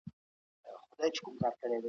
ایا نوي کروندګر وچ انار ساتي؟